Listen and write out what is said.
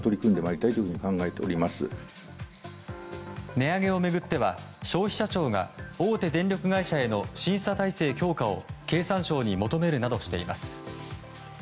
値上げを巡っては消費者庁が大手電力会社への審査体制強化を経産省に求めるなどしています。